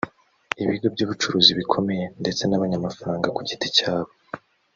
ibigo by’ubucuruzi bikomeye ndetse n’abanyamafaranga ku giti cyabo